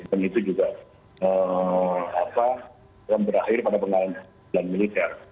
dan itu juga akan berakhir pada penggalan militer